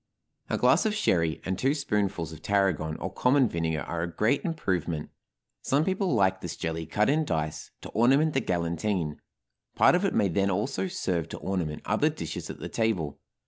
A glass of sherry and two spoonfuls of tarragon or common vinegar are a great improvement. Some people like this jelly cut in dice, to ornament the galantine, part of it may then also serve to ornament other dishes at the table.